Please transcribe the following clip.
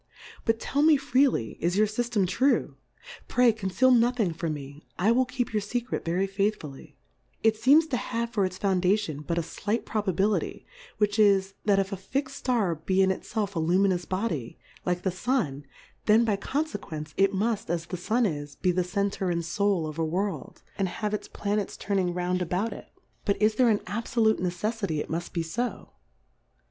But tell me freely, is your Syftem true? Pray conceal noihing from me ; I will keep your Secret very faithfully ; it feems to have for its Foundation, but a flight Probability, which is, that if a fix'd Star be in it felf a Lumiuoas Body, like the Sun, then by confcqence, it muft, as the Sun is, be the Center and Soul of a World ; and have irs Planets turning round about it: Butis there an abfolute 140 Difcourfes on the abfolute neceffity it muft be fo